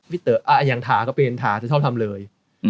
พี่เต๋อยังทาก็เป็นทาจะชอบทำเลย